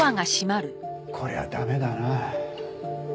こりゃ駄目だな。